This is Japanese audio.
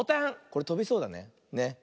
これとびそうだね。